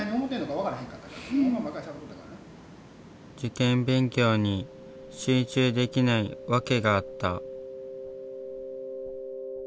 受験勉強に集中できないわけがあった。